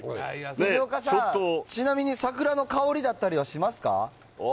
藤岡さん、ちなみに桜の香りだったりはしますか？